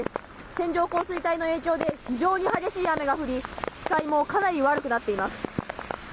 線状降水帯の影響で非常に激しい雨が降り視界もかなり悪くなっています。